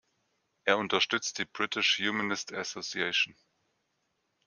Er unterstützt die British Humanist Association.